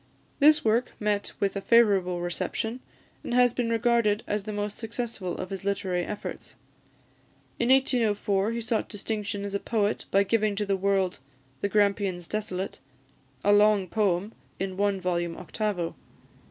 This work met with a favourable reception, and has been regarded as the most successful of his literary efforts. In 1804 he sought distinction as a poet by giving to the world "The Grampians Desolate," a long poem, in one volume octavo.